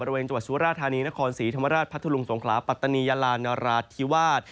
บริเวณจังหวัดสุราธานีนครศรีธรรมราชพัทธลุงสงขลาปัตตานียาลานราธิวาส